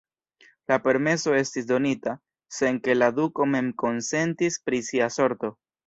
La permeso estis donita, sen ke la duko mem konsentis pri sia sorto.